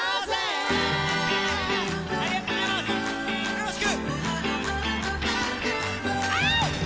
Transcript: よろしく。